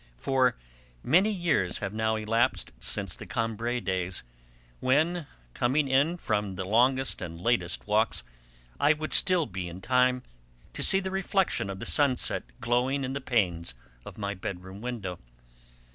For many years have now elapsed since the Combray days, when, coming in from the longest and latest walks, I would still be in time to see the reflection of the sunset glowing in the panes of my bedroom window.